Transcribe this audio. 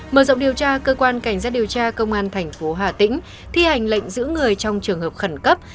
mở rộng điều tra cơ quan cảnh sát điều tra công an thành phố hà tĩnh thi hành lệnh giữ người trong trường hợp khẩn cấp